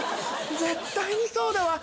絶対にそうだわ。